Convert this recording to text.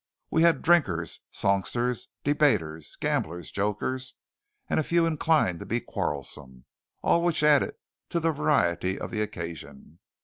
We had drinkers, songsters, debaters, gamblers, jokers, and a few inclined to be quarrelsome, all of which added to the variety of the occasion.